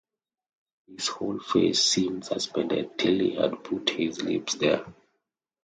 His whole face seemed suspended till he had put his lips there.